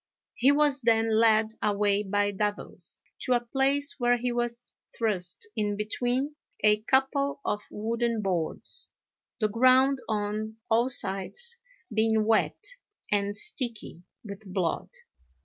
He was then led away by devils, to a place where he was thrust in between a couple of wooden boards, the ground on all sides being wet and sticky with blood.